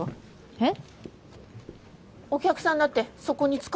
えっ？